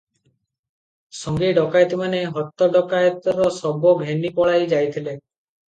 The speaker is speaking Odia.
ସଙ୍ଗୀ ଡକାଏତମାନେ ହତ ଡକାଏତର ଶବ ଘେନି ପଳାଇ ଯାଇଥିଲେ ।